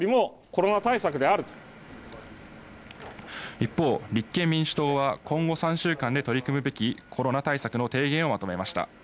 一方、立憲民主党は今後３週間で取り組むべきコロナ対策の提言をまとめました。